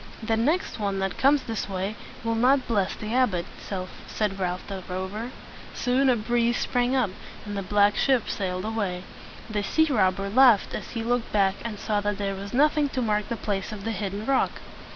"The next one that comes this way will not bless the abbot," said Ralph the Rover. Soon a breeze sprang up, and the black ship sailed away. The sea robber laughed as he looked back and saw that there was nothing to mark the place of the hidden rock.